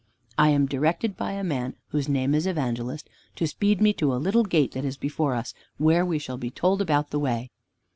"I am directed by a man, whose name is Evangelist, to speed me to a little gate that is before us, where we shall be told about the way."